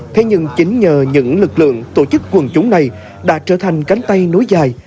thế nhưng chính nhờ những lực lượng tổ chức quần chúng này đã trở thành cánh tay nối dài